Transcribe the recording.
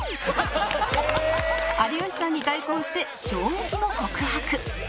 有吉さんに代行して衝撃の告白